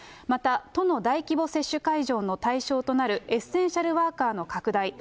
また、都の大規模接種会場の対象となるエッセンシャルワーカーの拡大。